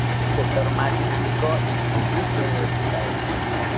Es el sector más dinámico y pujante de Bucarest.